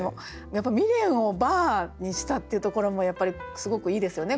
やっぱ未練をバーにしたっていうところもすごくいいですよね